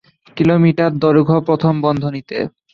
Kilometre দৈর্ঘ্য প্রথম বন্ধনীতে।